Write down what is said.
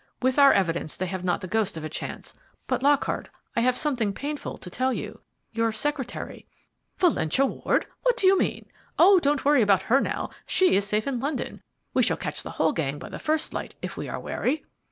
With our evidence they have not the ghost of a chance. But, Lockhart, I have something painful to tell you. Your secretary " "Valentia Ward! What do you mean? Oh, don't worry about her now she is safe in London. We shall catch the whole gang by the first light, if we are wary."